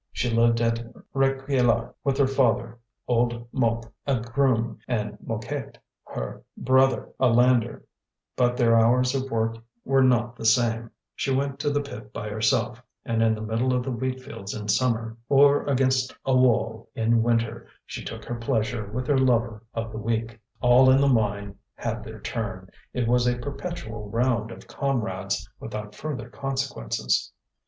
She lived at Réquillart with her father old Mouque, a groom, and Mouquet, her brother, a lander; but their hours of work were not the same; she went to the pit by herself, and in the middle of the wheatfields in summer, or against a wall in winter, she took her pleasure with her lover of the week. All in the mine had their turn; it was a perpetual round of comrades without further consequences.